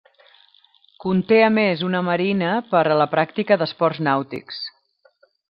Conté, a més, una marina per a la pràctica d'esports nàutics.